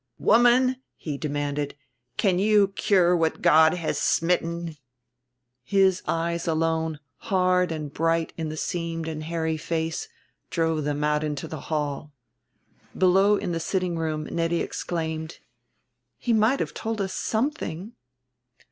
"Woman," he demanded, "can you cure what God has smitten?" His eyes alone, hard and bright in the seamed and hairy face, drove them out into the hall. Below in the sitting room Nettie exclaimed, "He might have told us something!"